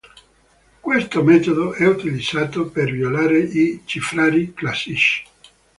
Questo metodo è utilizzato per violare i cifrari classici.